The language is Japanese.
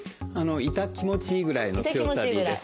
痛気持ちいいぐらいの強さでいいです。